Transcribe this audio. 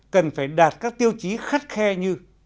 cần phải đạt các tiêu chí khắt khe như